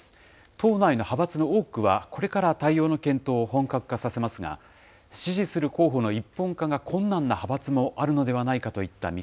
党内の派閥の多くはこれから対応の検討を本格化させますが、支持する候補の一本化が困難な派閥もあるのではないかといった